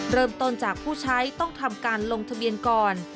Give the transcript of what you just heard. เริ่มต้นจากผู้ใช้ต้องทำการลงทะเบียนก่อน